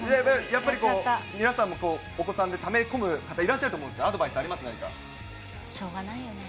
やっぱりこう、皆様もお子さんでため込む方いらっしゃると思うんですが、アドバしょうがないよね。